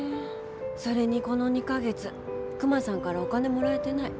それにこの２か月クマさんからお金もらえてない。